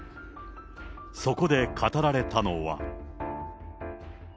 そこで語られたのは。